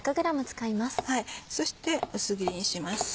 そして薄切りにします。